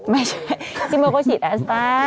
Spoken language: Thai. ไม่ใช่ซิโมโกชิดแอสตาร์